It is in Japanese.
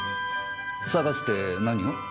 捜すって何を？